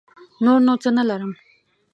نور نو څه نه لرم.